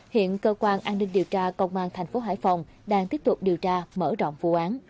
hiện cơ quan an ninh điều tra công an thành phố hải phòng đang tiếp tục điều tra mở rộng vụ án